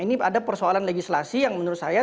ini ada persoalan legislasi yang menurut saya